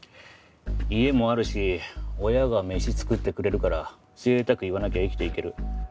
家もあるし親が飯作ってくれるから贅沢言わなきゃ生きていける。